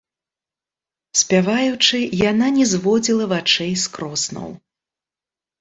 Спяваючы, яна не зводзіла вачэй з кроснаў.